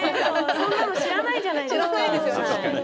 そんなの知らないじゃないですか。